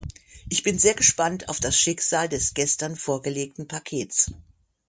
Ich bin sehr gespannt auf das Schicksal des gestern vorgelegten Pakets.